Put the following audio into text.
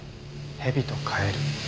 ヘビとカエル。